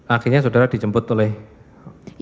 akhirnya saudara dijemput oleh orang tua